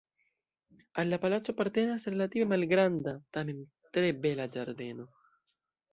Al la palaco apartenas relative malgranda, tamen tre bela ĝardeno.